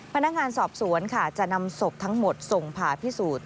พนักงานสอบสวนค่ะจะนำศพทั้งหมดส่งผ่าพิสูจน์